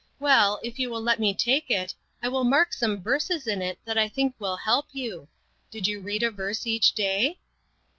Well, if you will let me take it, I will mark some verses in it that I think will help you. Did you read a verse each day